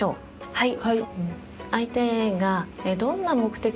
はい。